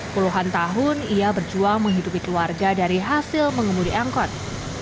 puluhan tahun ia berjuang menghidupi keluarga dari hasil mengemudi angkot